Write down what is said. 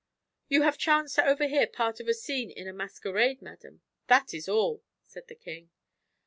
"You have chanced to overhear part of a scene in a masquerade, madam that is all," said the king.